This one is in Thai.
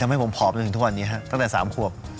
ทำให้ผมผอมจนถึงทุกวันนี้ฮะตั้งแต่๓ขวบ